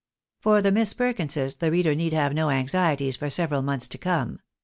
For the Miss Perkinses the reader need have no anxieties for several months to come.